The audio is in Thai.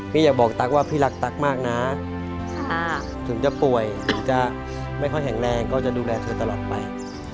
อยากบอกตั๊กว่าพี่รักตั๊กมากนะถึงจะป่วยถึงจะไม่ค่อยแข็งแรงก็จะดูแลเธอตลอดไป